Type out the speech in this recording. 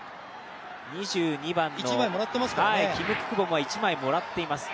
２２番、キム・ククボムは１枚もらっています。